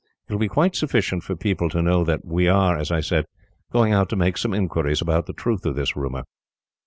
It will be quite sufficient for people to know that we are, as I said, going out to make some inquiries about the truth of this rumour."